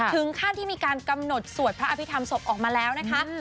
ถึงขั้นที่มีการกำหนดสวดพระอภิษฐรรมศพออกมาแล้วนะคะ